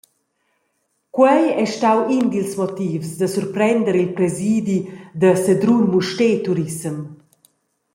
Quei ei stau in dils motivs da surprender il presidi da Sedrun Mustér Turissem.